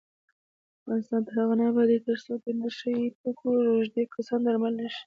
افغانستان تر هغو نه ابادیږي، ترڅو د نشه یي توکو روږدي کسان درملنه نشي.